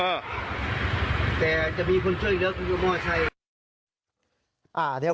แต่จะมีคนช่วยแล้วครับคุณคุณมอร์ชัย